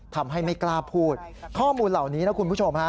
ไม่กล้าพูดข้อมูลเหล่านี้นะคุณผู้ชมฮะ